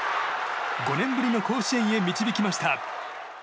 ５年ぶりの甲子園へ導きました。